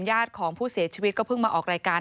ญาติของผู้เสียชีวิตก็เพิ่งมาออกรายการ